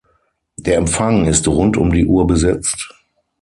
Der Empfang ist rund um die Uhr besetzt.